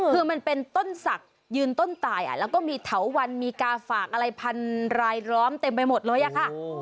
คือมันเป็นต้นศักดิ์ยืนต้นตายแล้วก็มีเถาวันมีกาฝากอะไรพันรายล้อมเต็มไปหมดเลยอะค่ะ